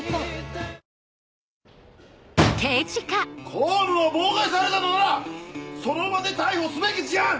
⁉公務を妨害されたのならその場で逮捕すべき事案！